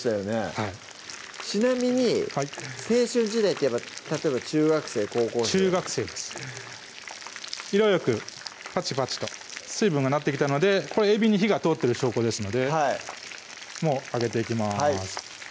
はいちなみに青春時代って例えば中学生・高校生中学生です色よくパチパチと水分がなってきたのでこれえびに火が通ってる証拠ですのでもう上げていきますはい